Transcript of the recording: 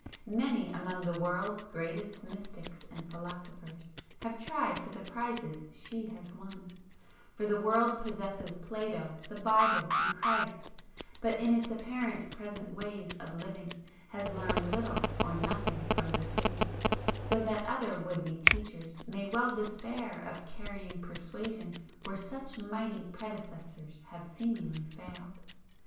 Many among the world's greatest mystics and philosophers have tried for the prizes she has won, for the world possesses Plato, the Bible and Christ, but in its apparent present ways of living has learned little or nothing from the three, so that other would be teachers may well despair of carrying persuasion where such mighty predecessors have seemingly failed.